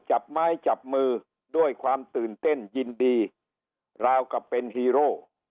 จับไม้จับมือด้วยความตื่นเต้นยินดีราวกับเป็นฮีโร่